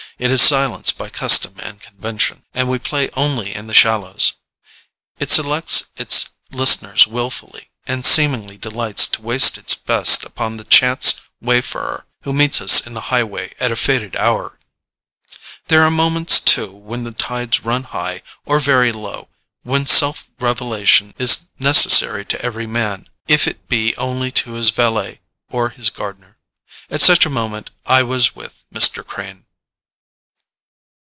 It is silenced by custom and convention, and we play only in the shallows. It selects its listeners willfully, and seemingly delights to waste its best upon the chance wayfarer who meets us in the highway at a fated hour. There are moments too, when the tides run high or very low, when self revelation is necessary to every man, if it be only to his valet or his gardener. At such a moment, I was with Mr. Crane.